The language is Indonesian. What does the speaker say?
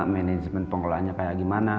manajemen pengelolaannya kayak gimana